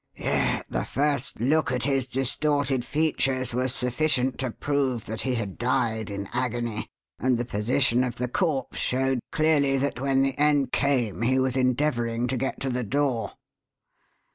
Yet the first look at his distorted features was sufficient to prove that he had died in agony, and the position of the corpse showed clearly that when the end came he was endeavouring to get to the door."